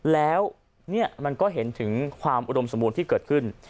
แล้วเนี่ยมันก็เห็นถึงความอุดมสมบูรณ์ที่เกิดขึ้น